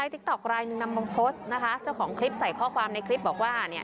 ติ๊กต๊อกลายหนึ่งนำมาโพสต์นะคะเจ้าของคลิปใส่ข้อความในคลิปบอกว่าเนี่ย